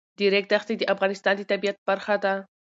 د ریګ دښتې د افغانستان د طبیعت برخه ده.